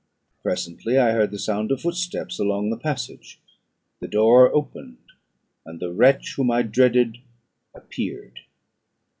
Presently I heard the sound of footsteps along the passage; the door opened, and the wretch whom I dreaded appeared.